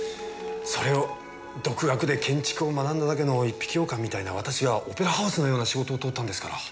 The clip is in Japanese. それを独学で建築を学んだだけの一匹狼みたいな私がオペラハウスのような仕事をとったんですから。